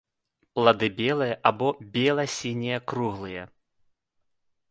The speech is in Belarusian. Плады белыя або бела-сінія круглыя.